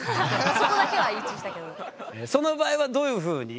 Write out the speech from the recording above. その場合はどういうふうに？